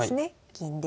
銀で。